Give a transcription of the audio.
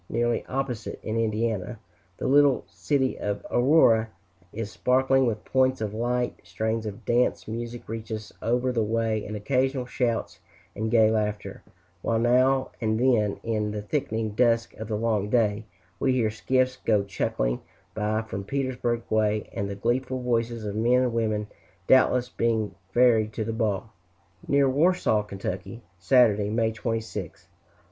Nearly opposite, in Indiana, the little city of Aurora is sparkling with points of light, strains of dance music reach us over the way, and occasional shouts and gay laughter; while now and then, in the thickening dusk of the long day, we hear skiffs go chucking by from Petersburg way, and the gleeful voices of men and women doubtless being ferried to the ball. Near Warsaw, Ky., Saturday, May 26th.